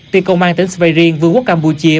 tiên công an tỉnh svay riêng vương quốc campuchia